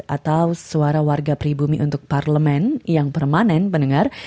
atau suara warga pribumi untuk parlemen yang permanen mendengar